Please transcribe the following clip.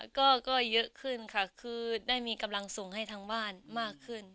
ก็เยอะขึ้นค่ะคือได้มีกำลังส่งให้ทางบ้านมากขึ้น